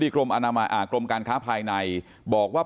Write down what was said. กรมการค้าภายในบอกว่า